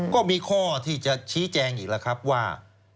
ก็มีข้อที่จะชี้แจงอีกแล้วครับว่า